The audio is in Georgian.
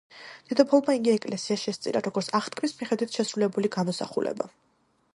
დედოფალმა იგი ეკლესიას შესწირა, როგორც აღთქმის მიხედვით შესრულებული გამოსახულება.